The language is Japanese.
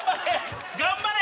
頑張れ！